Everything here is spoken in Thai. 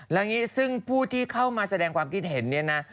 แล้วอย่างนี้ซึ่งผู้ที่เข้ามาแสดงความคิดเห็นเนี่ยนะ